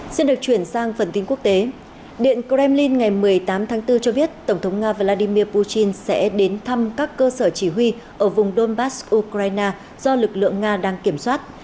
xin được chuyển sang phần tin quốc tế điện kremlin ngày một mươi tám tháng bốn cho biết tổng thống nga vladimir putin sẽ đến thăm các cơ sở chỉ huy ở vùng donbass ukraine do lực lượng nga đang kiểm soát